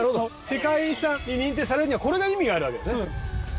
世界遺産に認定されるにはこれが意味があるわけですね。